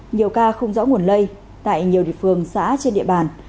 nhiều ca không rõ nguồn lây tại nhiều địa phương xã trên địa bàn